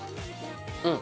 うん。